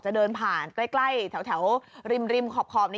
จะเดินผ่านใกล้แถวริมขอบนี้